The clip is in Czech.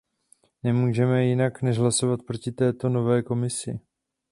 Nemůžeme jinak než hlasovat proti této nové Komisi.